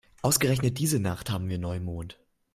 Ausgerechnet diese Nacht haben wir Neumond.